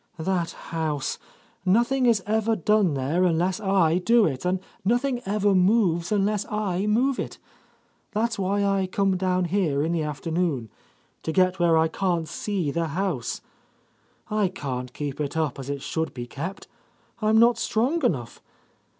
That house ! Nothing is ever done there unless I do it, and nothing ever moves unless I move it. That's why I come down here in the afternoon, — to get where I can't see the house. I can't keep it up as it should be kept. I'm not strong enough.